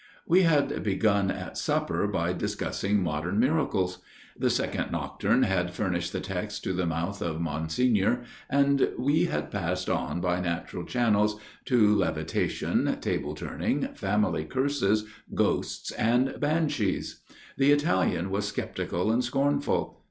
We had begun at supper by discussing modern miracles. The second nocturn had furnished the text to the mouth of Monsignor, and we had passed on by natural channels to levitation, table turning, family curses, ghosts and banshees. The Italian was sceptical and scornful.